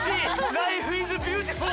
ライフイズビューティフォー！